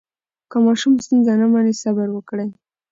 که ماشوم ستونزه نه مني، صبر وکړئ.